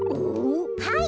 はい。